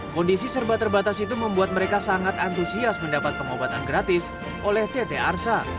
kondisi serba terbatas itu membuat mereka sangat antusias mendapat pengobatan gratis oleh ct arsa